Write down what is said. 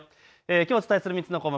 きょうお伝えする３つの項目